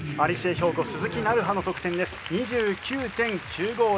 兵庫鈴木菜巴の得点です。２９．９５０。